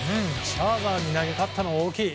シャーザーに投げ勝ったのは大きい。